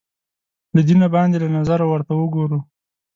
له دینه باندې له نظره ورته وګورو